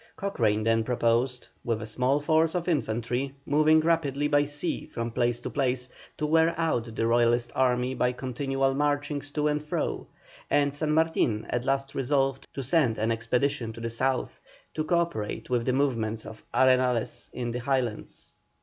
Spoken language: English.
Cochrane then proposed, with a small force of infantry moved rapidly by sea from place to place, to wear out the Royalist army by continual marchings to and fro; and San Martin at last resolved to send an expedition to the South, to co operate with the movements of Arenales in the Highlands.